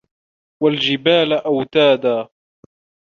وَالجِبالَ أَوتادًا